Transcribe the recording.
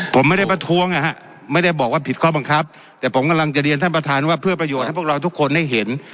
ผมไม่ได้ประท้วงนะฮะไม่ได้บอกว่าผิดข้อบังคับแต่ผมกำลังจะเรียนท่านประธานว่าเพื่อประโยชน์ให้พวกเราทุกคนได้เห็น